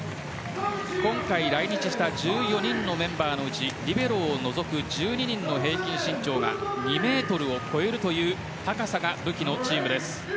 今回来日した１４人のメンバーのうちリベロを除く１２人の平均身長が２ｍを超えるという高さが武器のチームです。